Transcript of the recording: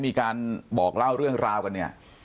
มีการบอกเล่าเรื่องราวกันเนี่ย